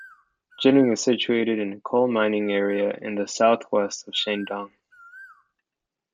Jining is situated in a coal mining area in the southwest of Shandong.